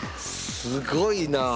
すごいな。